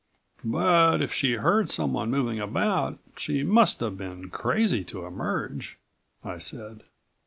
"But if she heard someone moving about ... she must have been crazy to emerge," I said.